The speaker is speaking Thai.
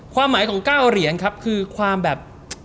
ความหมายของ๙เหรียญครับคือความแบบ